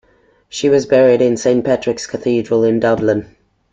She was buried in Saint Patrick's Cathedral in Dublin.